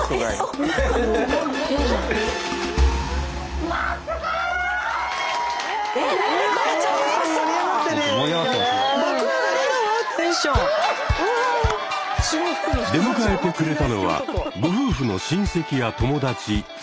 うわすごい！出迎えてくれたのはご夫婦の親戚や友達３０人。